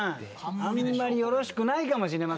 あんまりよろしくないかもしれません。